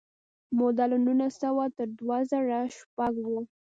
موده له نولس سوه تر دوه زره شپږ وه.